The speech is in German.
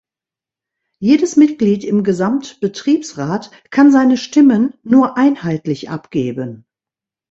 Jedes Mitglied im Gesamtbetriebsrat kann seine Stimmen nur einheitlich abgeben.